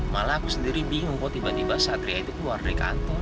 malah aku sendiri bingung kok tiba tiba satria itu keluar dari kantor